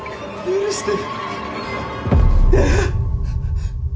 許して。